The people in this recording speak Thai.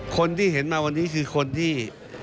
คนที่เห็นมาวันนี้คือคนที่